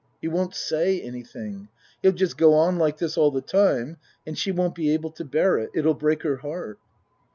He won't say anything. He'll just go on like this all the time, and she won't be able to bear it. It'll break her heart."